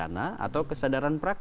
atau semacam kesadaran berwacana